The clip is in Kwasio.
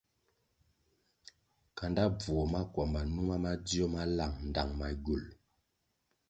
Kanda bvuo makwamba numa madzio ma lang ndtang magywul.